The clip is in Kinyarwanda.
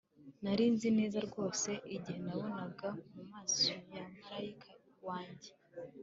nari nzi neza rwose igihe nabonaga mumaso ya marayika wanjye